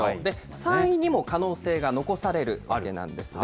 ３位にも可能性が残されるわけなんですね。